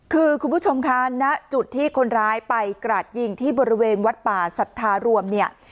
คือคุณผู้ชมคะณจุดที่คนร้ายไปกราดยิงที่บริเวณวัดป่าสัทธารวมเนี่ย